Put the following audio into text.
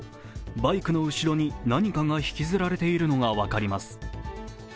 バイクの後ろに何かが引きずられているのが分かります。